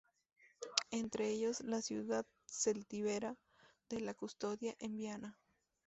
Entre ellos, la ciudad celtíbera de La Custodia, en Viana.